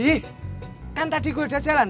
yeh kan tadi gue udah jalan